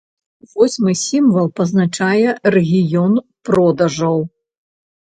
Восьмы сімвал пазначае рэгіён продажаў.